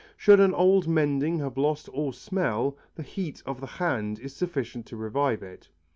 Should an old mending have lost all smell, the heat of the hand is sufficient to revive it.